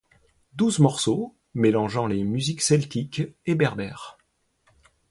Douze morceaux, mélangeant les musiques celtiques et berbères.